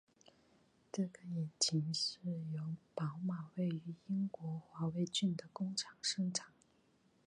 这个引擎是由宝马位于英国华威郡的工厂生产。